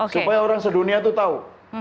supaya orang sedunia itu tahu